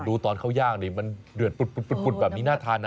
ดูตอนเขาย่างนี่มันเดือดปุดแบบนี้น่าทานนะ